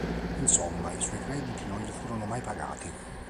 Insomma i suoi crediti non gli furono mai pagati.